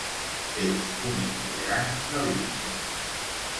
És un immigrant de l'Índia.